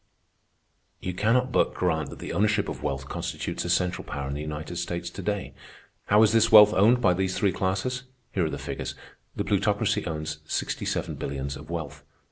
"You cannot but grant that the ownership of wealth constitutes essential power in the United States to day. How is this wealth owned by these three classes? Here are the figures. The Plutocracy owns sixty seven billions of wealth.